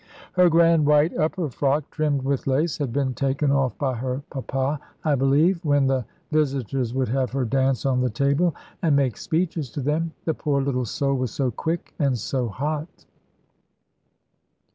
Her grand white upper frock, trimmed with lace, had been taken off by her papa, I believe, when the visitors would have her dance on the table, and make speeches to them; the poor little soul was so quick and so hot.